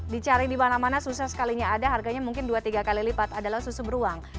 dicari di mana mana susah sekalinya ada harganya mungkin dua tiga kali lipat adalah susu beruang